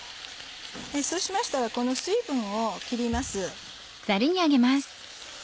そうしましたらこの水分を切ります。